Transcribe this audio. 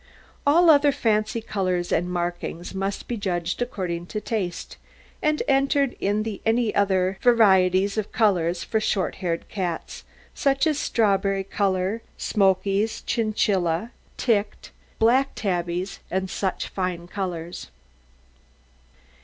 All other fancy colours and markings must be judged according to taste, and entered in the any other variety of colours for short haired cats, such as strawberry colour, smokies, chinchillas, ticked, black tabbies and such fancy colours.